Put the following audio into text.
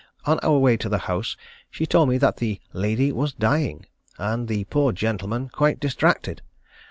On our way to the house she told me that "the lady was dying, and the poor gentleman quite distracted."